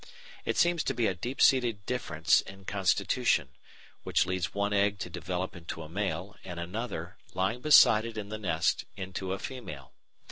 It seems to be a deep seated difference in constitution, which leads one egg to develop into a male, and another, lying beside it in the nest, into a female.